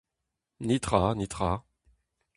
Netra, netra.